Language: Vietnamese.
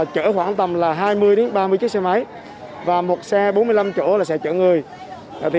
chở khoảng tầm là hai mươi ba mươi chiếc xe máy và một xe bốn mươi năm chỗ là xe chở người